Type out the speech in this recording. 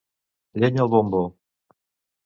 Llenya al bombo!